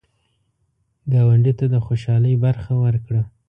ګاونډي ته د خوشحالۍ برخه ورکړه